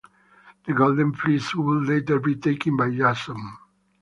The Golden Fleece would later be taken by Jason.